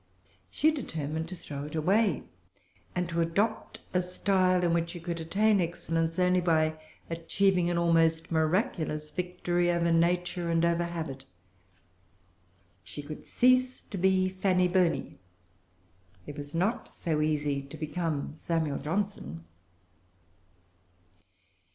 She determined to throw it away, and to adopt a style in which she could attain excellence only by achieving an almost miraculous victory over nature and over habit. She could cease to be Fanny Burney; it was not so easy to become Samuel Johnson.